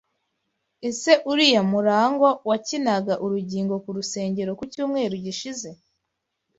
Ese uriya MuragwA wakinaga urugingo ku rusengero ku cyumweru gishize?